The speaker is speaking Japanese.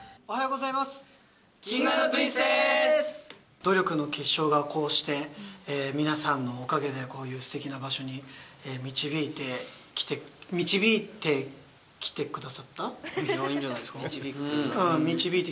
努力の結晶がこうして、皆さんのおかげで、こういうすてきな場所に導いてきて、いいんじゃないですか。